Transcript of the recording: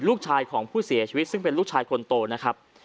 ลูกชายของผู้เสียชีวิตซึ่งเป็นลูกชายคนโตนะครับ